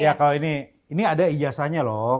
iya kalau ini ini ada ijazahnya loh